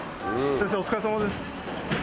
先生、お疲れさまです。